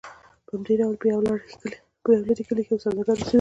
په همدې ډول په یو لرې کلي کې یو سوداګر اوسېده.